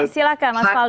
silakan mas faldul